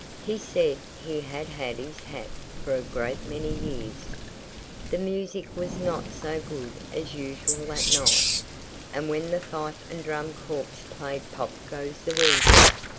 He said he had had his hat for a great many years. The music was not so good as usual that night. And when the fife and drum corps played "Pop! Goes the Weasel!"